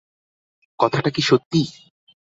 কথাটা কি সত্যি?